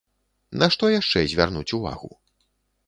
На што яшчэ звярнуць увагу?